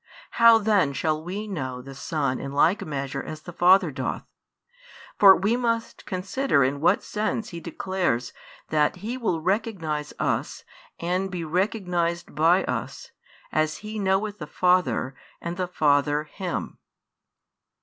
How then shall we know the Son in like measure as the Father doth? For we must consider in what sense He declares that He will recognize us and be recognized by us, as He knoweth the Father and the Father Him.